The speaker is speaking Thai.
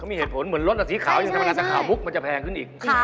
ก็มีเหตุผลเหมือนรสสีขาวที่สำหรับขาวมุกมันจะแพงขึ้นอีก